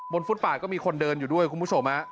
ฟุตบาทก็มีคนเดินอยู่ด้วยคุณผู้ชม